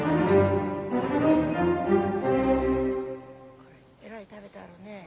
これえらい食べてあるね。